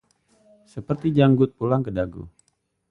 Seperti janggut pulang ke dagu